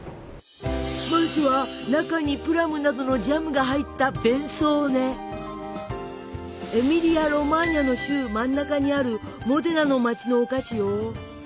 まずは中にプラムなどのジャムが入ったエミリア・ロマーニャの州真ん中にあるモデナの町のお菓子よ！